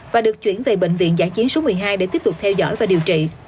và được chuyển về bệnh viện giã chiến số một mươi hai để tiếp tục theo dõi và điều trị